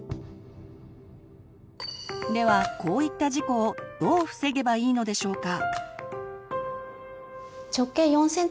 ではこういった事故をどう防げばいいのでしょうか？